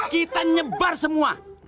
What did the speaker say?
kita nyebar semua